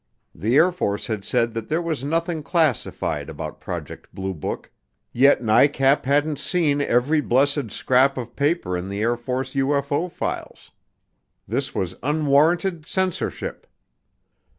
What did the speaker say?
The Air Force had said that there was nothing classified about Project Blue Book yet NICAP hadn't seen every blessed scrap of paper in the Air Force UFO files. This was unwarranted censorship!